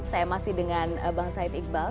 saya masih dengan bang said iqbal